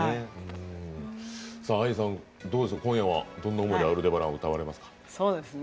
ＡＩさん、今夜はどんな思いで「アルデバラン」を歌われますか。